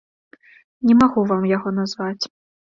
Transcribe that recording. Не магу вам яго назваць.